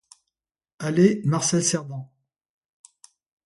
Allée Marcel Cerdan.